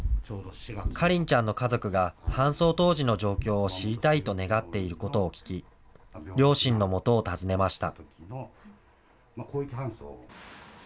花梨ちゃんの家族が搬送当時の状況を知りたいと願っていることを聞き、両親のもとを訪ねました。